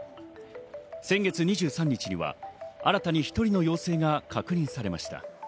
先月２３日には新たに１人の陽性が確認されました。